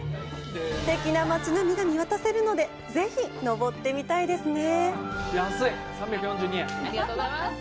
すてきな街並みが見渡せるのでぜひ、登ってみたいですね！